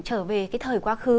trở về cái thời quá khứ